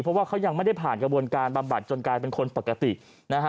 เพราะว่าเขายังไม่ได้ผ่านกระบวนการบำบัดจนกลายเป็นคนปกตินะฮะ